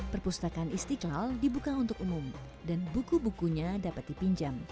perpustakaan istiqlal dibuka untuk umum dan buku bukunya dapat dipinjam